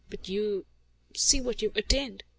But you see what you've attained!